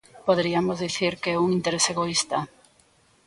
Poderiamos dicir que é un interese egoísta.